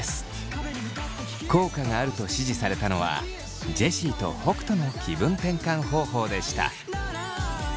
効果があると支持されたのはジェシーと北斗の気分転換方法でした。